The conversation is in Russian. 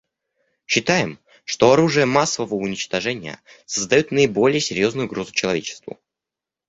Считаем, что оружие массового уничтожения создает наиболее серьезную угрозу человечеству.